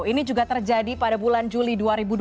ini juga terjadi pada bulan juli dua ribu dua puluh